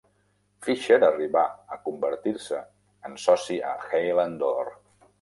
Fisher arribà a convertir-se en soci a Hale and Dorr.